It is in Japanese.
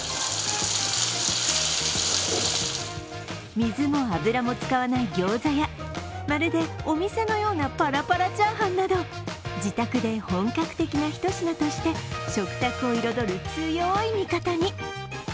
水も油も使わないギョーザやまるでお店のようなパラパラチャーハンなど自宅で本格的な一品として食卓を彩る強い味方に。